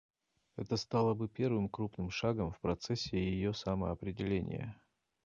Это стало бы первым крупным шагом в процессе ее самоопределения.